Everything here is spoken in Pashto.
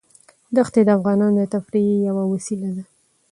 دښتې د افغانانو د تفریح یوه وسیله ده.